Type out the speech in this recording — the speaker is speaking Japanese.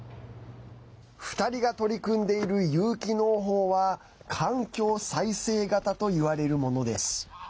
２人が取り組んでいる有機農法は環境再生型といわれるものです。